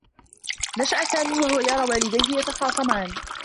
نشأ سامي و هو يرى والديه يتخاصمان.